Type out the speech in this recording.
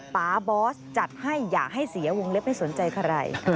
ป๊าบอสจัดให้อย่าให้เสียวงเล็บให้สนใจใคร